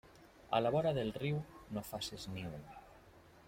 A la vora del riu no faces niu.